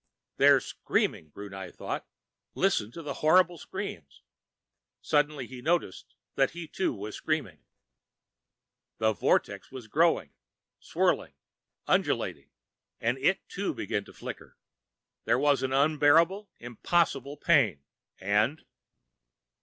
They're screaming! Brunei thought. Listen to the horrible screams! Suddenly he noticed that he, too, was screaming. The vortex was growing, swirling, undulating, and it, too, began to flicker.... There was an unbearable, impossible pain, and....